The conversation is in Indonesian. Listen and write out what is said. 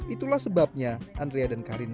itulah sebabnya andrea dan karin